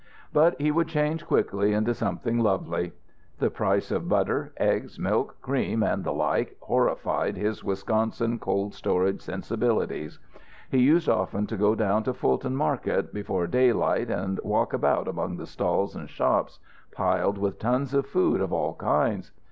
But he would change, quickly, into something lovely. The price of butter, eggs, milk, cream and the like horrified his Wisconsin cold storage sensibilities. He used often to go down to Fulton Market before daylight and walk about among the stalls and shops, piled with tons of food of all kinds.